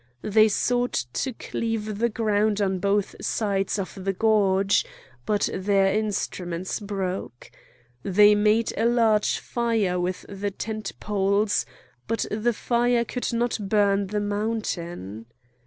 They sought to cleave the ground on both sides of the gorge, but their instruments broke. They made a large fire with the tent poles, but the fire could not burn the mountain.